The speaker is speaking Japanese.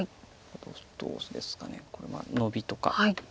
どうですかこれはノビとか。